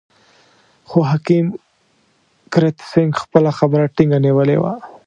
خو حکیم کرت سېنګ خپله خبره ټینګه نیولې وه.